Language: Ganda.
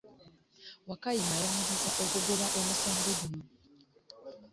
Wakayima ayanirizza okugoba omusango guno.